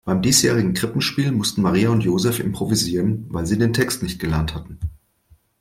Beim diesjährigen Krippenspiel mussten Maria und Joseph improvisieren, weil sie den Text nicht gelernt hatten.